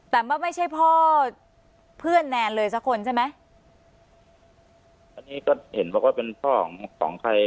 แต่ว่าไม่ใช่พ่อเพื่อนแนนเลยสักคนใช่ไหมอันนี้ก็เห็นบอกว่าเป็นพ่อของของใคร